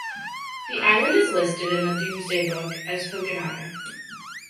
The island is listed in the Domesday Book as Hougenai.